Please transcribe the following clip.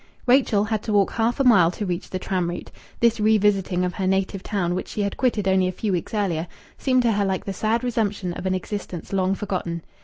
Rachel, had to walk half a mile to reach the tram route. This re visiting of her native town, which she had quitted only a few weeks earlier, seemed to her like the sad resumption of an existence long forgotten.